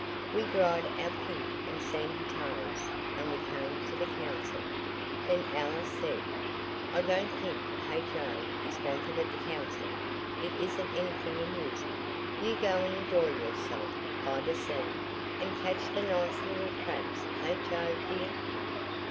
We dried our pink and sandy toes and we came to the council. Then Alice said: "I don't think H.O. is wanted at the council, it isn't anything amusing; you go and enjoy yourself by the sea, and catch the nice little crabs, H.O. dear."